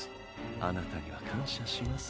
あなたには感謝します。